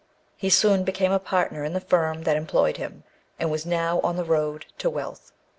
He soon became a partner in the firm that employed him, and was now on the road to wealth.